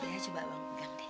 ya coba bang pegang deh